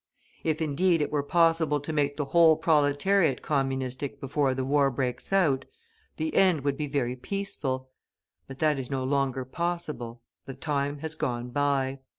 If, indeed, it were possible to make the whole proletariat communistic before the war breaks out, the end would be very peaceful; but that is no longer possible, the time has gone by.